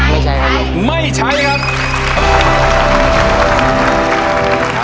ไม่ใช้